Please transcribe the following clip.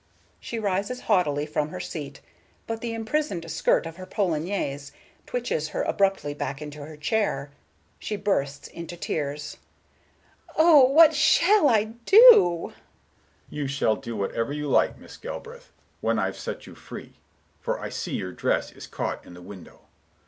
She rises haughtily from her seat, but the imprisoned skirt of her polonaise twitches her abruptly back into her chair. She bursts into tears. "Oh, what shall I do?" Mr. Richards, dryly: "You shall do whatever you like, Miss Galbraith, when I've set you free; for I see your dress is caught in the window.